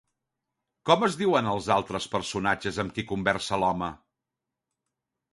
Com es diuen els altres personatges amb qui conversa l'home?